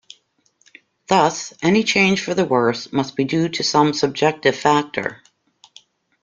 Thus, any change for the worse must be due to some subjective factor.